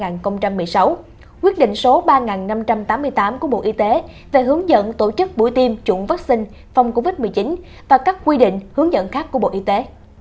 nghị định số một trăm linh bốn năm hai nghìn một mươi tám của bộ y tế về hướng dẫn tổ chức buổi tiêm chủng vắc xin phòng covid một mươi chín và các quy định hướng dẫn khác của bộ y tế